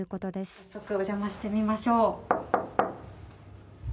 早速、お邪魔してみましょう。